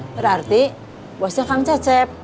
berarti bosnya kang cecep